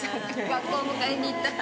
学校迎えに行ったら。